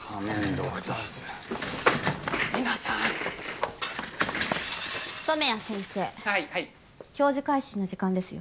ドクターズ皆さん染谷先生はいはい教授回診の時間ですよ